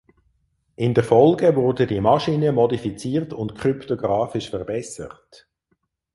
In der Folge wurde die Maschine modifiziert und kryptographisch verbessert.